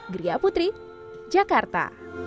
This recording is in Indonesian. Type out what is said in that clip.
geria putri jakarta